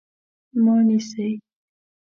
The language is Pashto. _ما نيسئ؟